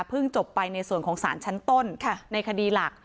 จบไปในส่วนของสารชั้นต้นในคดีหลัก